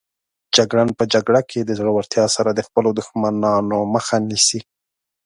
جګړن په جګړه کې د زړورتیا سره د خپلو دښمنانو مخه نیسي.